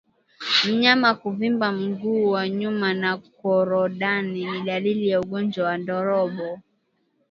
Mnyama kuvimba miguu ya nyuma na korodani ni dalili ya ugonjwa wa ndorobo